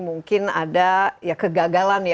mungkin ada kegagalan